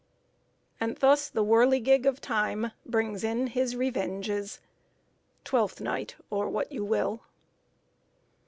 And thus the whirligig of Time brings in his revenges. TWELFTH NIGHT, OR WHAT YOU WILL.